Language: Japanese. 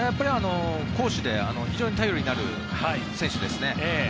攻守で非常に頼りになる選手ですね。